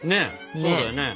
そうだよね。